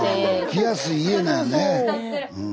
来やすい家なんやね。